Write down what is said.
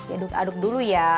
aduk aduk dulu ya